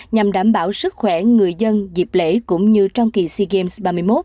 nhằm đảm bảo sức khỏe người dân dịp lễ cũng như trong kỳ sea games ba mươi một